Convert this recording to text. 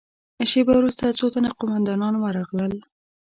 شېبه وروسته څو تنه قوماندانان ورغلل.